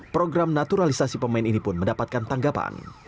program naturalisasi pemain ini pun mendapatkan tanggapan